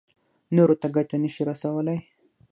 نورو ته ګټه نه شي رسولی.